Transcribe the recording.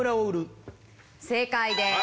正解です。